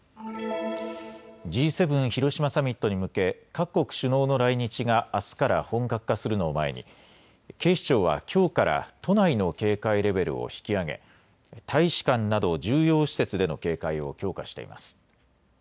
Ｇ７広島サミットに向け各国首脳の来日があすから本格化するのを前に警視庁はきょうから都内の警戒レベルを引き上げ大使館など重要施設での警戒を強化しています。